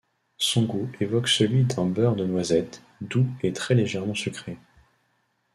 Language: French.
Son goût évoque celui d'un beurre de noisette, doux et très légèrement sucré.